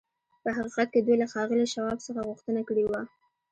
په حقیقت کې دوی له ښاغلي شواب څخه غوښتنه کړې وه